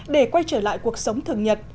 để quay trở lại cuộc sống thường nhật